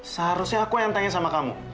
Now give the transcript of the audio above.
seharusnya aku yang tanya sama kamu